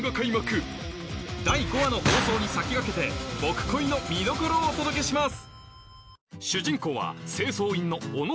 第５話の放送に先駆けて『ボク恋』の見どころをお届けします！